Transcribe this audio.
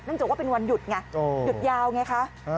จากว่าเป็นวันหยุดไงหยุดยาวไงคะ